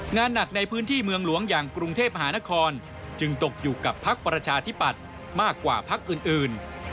งานหนักในพื้นที่เมืองหลวงอย่างกรุงเทพมหานครจึงตกอยู่กับพักประชาธิปัตย์มากกว่าพักอื่น